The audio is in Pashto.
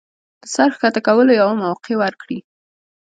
د سر ښکته کولو يوه موقع ورکړي